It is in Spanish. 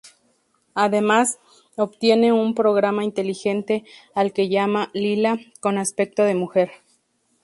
Además, obtiene un programa inteligente al que llama "Lyla", con aspecto de mujer.